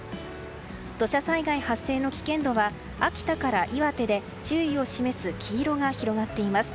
土砂災害発生の危険度は秋田から岩手で注意を示す黄色が広がっています。